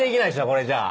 これじゃ。